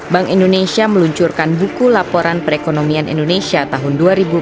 bank indonesia meluncurkan buku laporan perekonomian indonesia tahun dua ribu empat belas